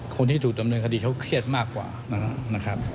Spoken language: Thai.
คนที่ถูกดำเนินคดีเขาเครียดมากกว่านั้นนะครับ